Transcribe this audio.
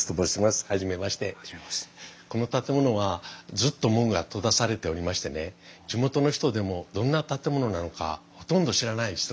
この建物はずっと門が閉ざされておりましてね地元の人でもどんな建物なのかほとんど知らない人が多いんです。